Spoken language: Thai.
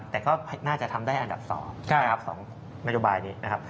แต่ก็น่าจะทำได้อันดับ๒ในโนโยบายนี้